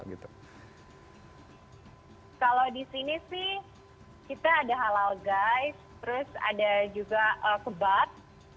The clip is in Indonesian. kalau di sini sih kita ada halal guys terus ada juga kebat